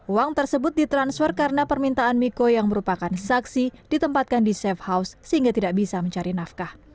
uang tersebut ditransfer karena permintaan miko yang merupakan saksi ditempatkan di safe house sehingga tidak bisa mencari nafkah